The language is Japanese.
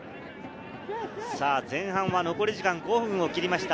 前半、残り時間の５分を切りました。